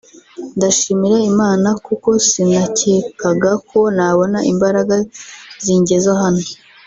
“Ndashimira Imana kuko sinakekaga ko nabona imbaraga zingeza hano